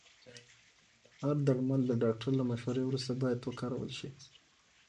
هر درمل د ډاکټر له مشورې وروسته باید وکارول شي.